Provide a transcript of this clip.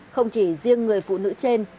không chỉ riêng người phụ nữ trên